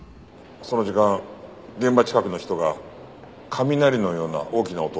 その時間現場近くの人が雷のような大きな音を聞いている。